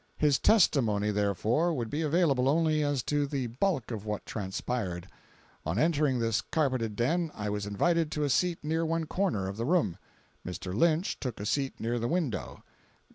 His testimony, therefore, would be available only as to the bulk of what transpired. On entering this carpeted den I was invited to a seat near one corner of the room. Mr. Lynch took a seat near the window.